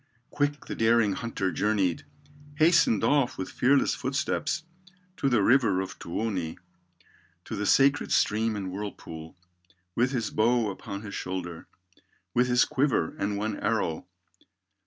Quick the daring hunter journeyed, Hastened off with fearless footsteps, To the river of Tuoni, To the sacred stream and whirlpool, With his bow upon his shoulder, With his quiver and one arrow.